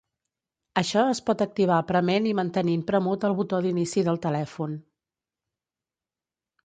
Això es pot activar prement i mantenint premut el botó d'inici del telèfon.